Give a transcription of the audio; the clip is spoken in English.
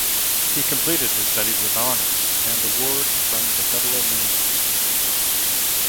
He completed his studies with honours and awards from the Federal Minister.